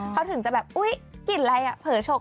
เขาถึงจะแบบอุ๊ยกลิ่นอะไรอ่ะเผลอฉก